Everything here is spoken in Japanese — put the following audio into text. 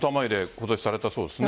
今年、されたそうですね。